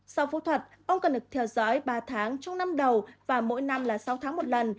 sau phẫu thuật ông cần được theo dõi ba tháng trong năm đầu và mỗi năm là sáu tháng một lần